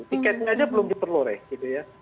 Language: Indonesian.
tiketnya aja belum diperlu deh